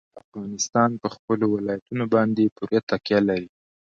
افغانستان په خپلو ولایتونو باندې پوره تکیه لري.